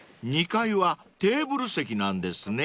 ［２階はテーブル席なんですね］